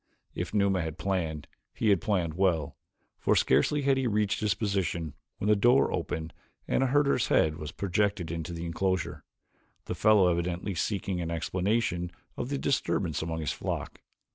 If Numa had planned, he had planned well, for scarcely had he reached his position when the door opened and a herder's head was projected into the enclosure, the fellow evidently seeking an explanation of the disturbance among his flock.